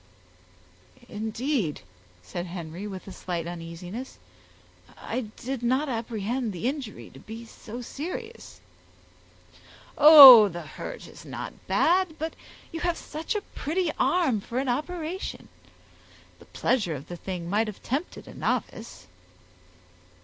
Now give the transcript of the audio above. "Indeed!" said Henry, with a slight uneasiness. "I did not apprehend the injury to be so serious." "Oh, the hurt is not bad, but you have such a pretty arm for an operation; the pleasure of the thing might have tempted a novice."